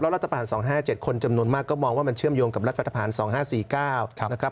รัฐบาล๒๕๗คนจำนวนมากก็มองว่ามันเชื่อมโยงกับรัฐภาน๒๕๔๙นะครับ